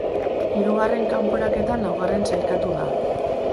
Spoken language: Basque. Hirugarren kanporaketan laugarren sailkatu da.